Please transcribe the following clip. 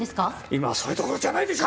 今はそれどころじゃないでしょ。